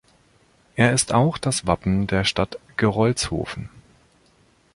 Er ist auch das Wappen der Stadt Gerolzhofen.